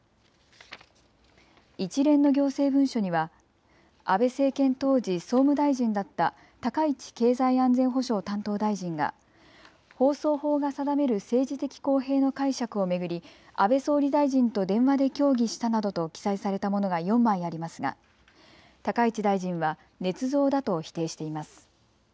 一連の行政文書には安倍政権当時、総務大臣だった高市経済安全保障担当大臣が放送法が定める政治的公平の解釈を巡り安倍総理大臣と電話で協議したなどと記載されたものが４枚ありますが高市大臣はねつ造だと否定しています。